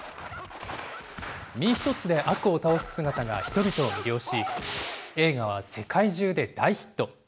身一つで悪を倒す姿が人々を魅了し、映画は世界中で大ヒット。